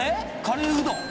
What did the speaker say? カレーうどん？